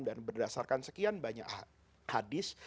dan berdasarkan sekian banyak hadis